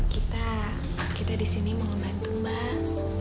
kita kita di sini mau ngembantu mbak